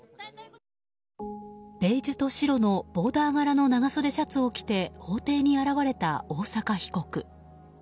ベージュと白のボーダー柄の長袖シャツを着て法廷に現れた大坂被告。